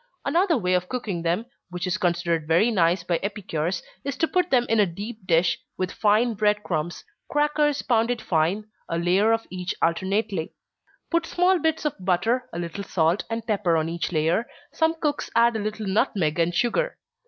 Another way of cooking them, which is considered very nice by epicures, is to put them in a deep dish, with fine bread crumbs, crackers pounded fine, a layer of each alternately; put small bits of butter, a little salt, and pepper on each layer some cooks add a little nutmeg and sugar.